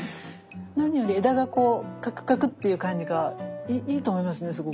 何より枝がこうカクカクっていう感じがいいと思いますね